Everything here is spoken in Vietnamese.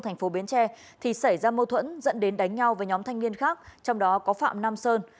thành phố bến tre thì xảy ra mâu thuẫn dẫn đến đánh nhau với nhóm thanh niên khác trong đó có phạm nam sơn